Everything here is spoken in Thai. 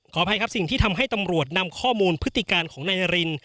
อภัยครับสิ่งที่ทำให้ตำรวจนำข้อมูลพฤติการของนายนาริน